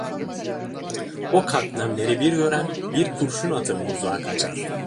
O kaknemleri bir gören bir kurşun atımı uzağa kaçar…